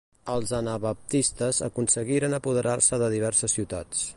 Els anabaptistes aconseguiren apoderar-se de diverses ciutats.